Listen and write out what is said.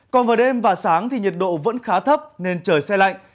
còn vào đêm và sáng thì nhiệt độ vẫn khá thấp nên trời xe lạnh